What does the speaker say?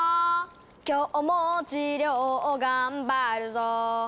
「今日も治療を頑張るぞ」